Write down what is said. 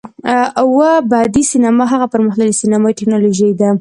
اووه بعدی سینما هغه پر مختللې سینمایي ټیکنالوژي ده،